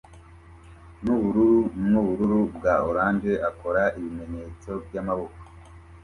nubururu nubururu bwa orange akora ibimenyetso byamaboko